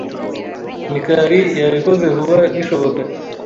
Mikali yabikoze vuba bishoboka.